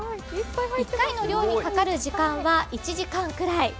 １回の漁にかかる時間は１時間くらい。